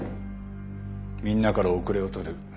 みんなから後れを取る。